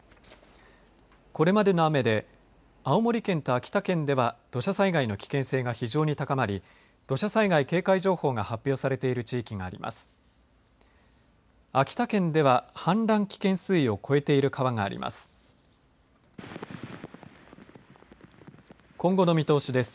これまでの雨で青森県と秋田県では土砂災害の危険性が非常に高まり土砂災害警戒情報が発表されている地域があります。